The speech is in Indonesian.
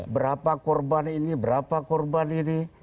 berapa korban ini berapa korban ini